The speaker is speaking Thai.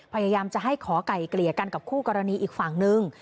พยายามจะให้ขอไก่เกลี่ยกันกับคู่กรณีอีกฝั่งนึง